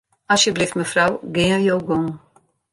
Asjebleaft mefrou, gean jo gong.